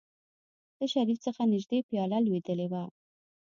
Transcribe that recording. له شريف څخه نژدې پياله لوېدلې وه.